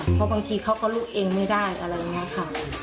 เพราะบางทีเขาก็ลูกเองไม่ได้อะไรอย่างนี้ค่ะ